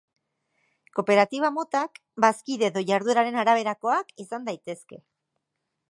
Kooperatiba motak, Bazkide edo Jardueraren araberakoak izan daitezke.